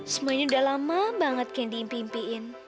semuanya udah lama banget candy impiin impiin